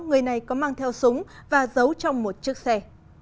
người này có mang theo súng và giấu trong một chiếc xe